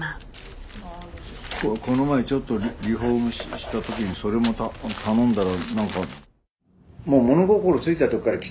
この前ちょっとリリフォームしした時にそれもた頼んだら。